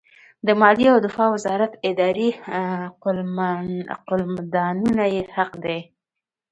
د مالیې او دفاع وزارت اداري قلمدانونه یې حق دي.